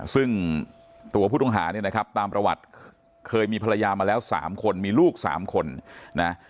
ซึ่งตัวผู้ต้องหาเนี่ยนะครับตามประวัติเคยมีภรรยามาแล้ว๓คนมีลูก๓คนนะ